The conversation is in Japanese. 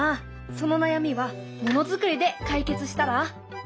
その悩みはものづくりで解決したら？